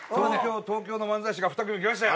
東京の漫才師が２組来ましたよ。